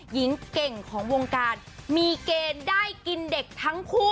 หญิงเก่งของวงการมีเกณฑ์ได้กินเด็กทั้งคู่